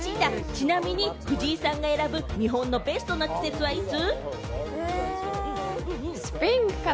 ちなみに藤井さんが選ぶ日本のベストな季節はいつ？